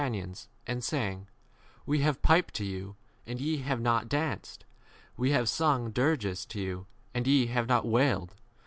another and saying, We have piped to you and ye have not danced, we have mourned to you 88 and ye have not wept.